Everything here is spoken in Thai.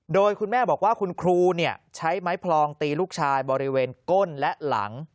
โดยคุณแม่บอกว่าคุณครูใช้ไม้พลองตีลูกชายบริเวณก้นและหลัง